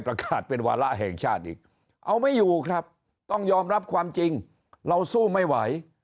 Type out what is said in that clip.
ประกาศเป็นวาระแห่งชาติอีกเอาไม่อยู่ครับต้องยอมรับความจริงเราสู้ไม่ไหว